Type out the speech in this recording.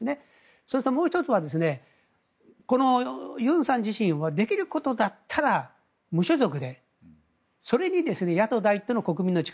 それともう１つはユンさん自身はできることだったら無所属でそれに野党第１党の国民の力